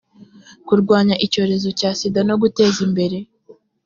kurwanya icyorezo cya sida no guteza imbere